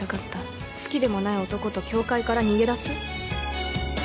好きでもない男と教会から逃げ出す？